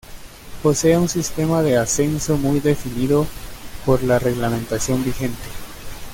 Posee un sistema de ascenso muy definido por la reglamentación vigente.